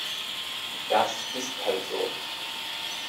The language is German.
Das ist halt so.